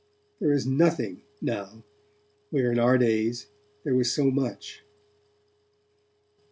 There is nothing, now, where in our days there was so much.